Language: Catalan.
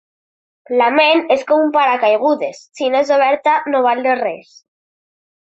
La ment és com un paracaigudes: si no és oberta no val de res.